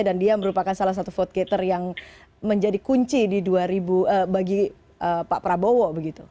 dia merupakan salah satu vote gator yang menjadi kunci bagi pak prabowo begitu